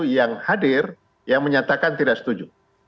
liga satu yang hadir yang menyatakan tidak setuju